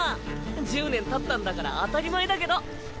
１０年たったんだから当たり前だけど。